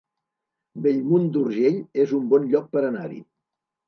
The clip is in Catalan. Bellmunt d'Urgell es un bon lloc per anar-hi